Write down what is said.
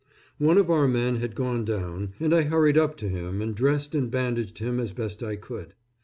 One of our men had gone down, and I hurried up to him and dressed and bandaged him as best I could.